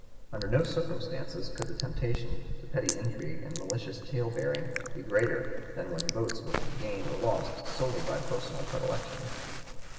Under no circumstances could the temptation to petty intrigue and malicious tale bearing be greater than when votes were (p. 164) to be gained or lost solely by personal predilection.